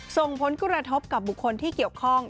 ส่งผลกระทบกับบุคคลที่เกี่ยวข้อง